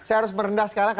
saya harus merendah sekarang